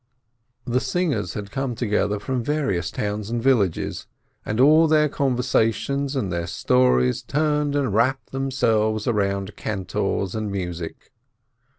The singers had come together from various towns and villages, and all their conversations and their stories turned and wrapped themselves round cantors and music.